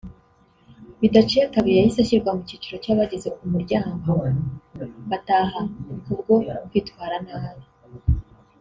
Bidaciye kabiri yahise ashyirwa mu cyiciro cy’abageze ku muryango bataha ku bwo kwitwara nabi